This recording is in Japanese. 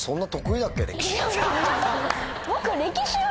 僕。